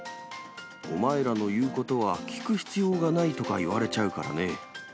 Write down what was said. お前らの言うことは聞く必要がないとか言われちゃうからね。